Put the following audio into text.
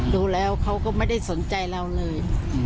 ดูแล้วเขาก็ไม่ได้สนใจเราเลย